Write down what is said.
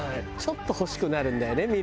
ちょっと欲しくなるんだよね